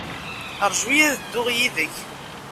Raju-yi ad dduɣ yid-k.